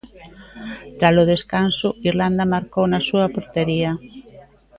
Tralo descanso, Irlanda marcou na súa portería.